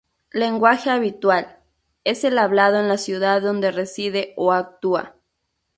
Lenguaje habitual: es el hablado en la ciudad donde reside o actúa.